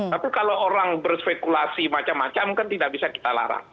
tapi kalau orang berspekulasi macam macam kan tidak bisa kita larang